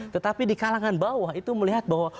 tetapi di kalangan bawah itu melihat bahwa